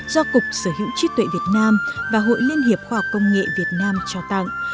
do cục sở hữu trí tuệ việt nam và hội liên hiệp khoa học công nghệ việt nam trao tặng